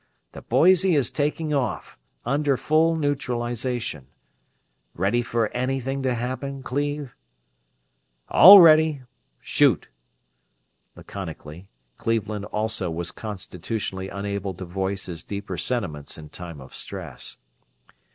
The Boise is taking off, under full neutralization. Ready for anything to happen, Cleve?" "All ready shoot!" Laconically. Cleveland also was constitutionally unable to voice his deeper sentiments in time of stress.